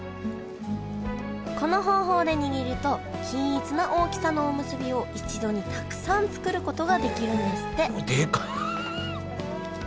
この方法で握ると均一な大きさのおむすびを一度にたくさん作ることができるんですってでか。